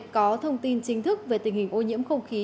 có thông tin chính thức về tình hình ô nhiễm không khí